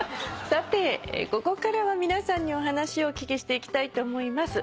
さてここからは皆さんにお話をお聞きしていきたいと思います。